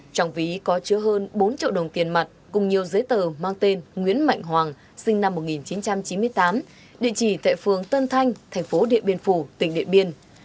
trong ví có chứa hơn bốn triệu đồng tiền mặt cùng nhiều giấy tờ mang tên nguyễn mạnh hoàng sinh năm một nghìn chín trăm chín mươi tám địa chỉ tại phường tân thanh thành phố điện biên phủ tỉnh điện biên